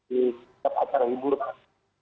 di set acara hiburan